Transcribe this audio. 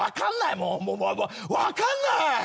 もうもう分かんない！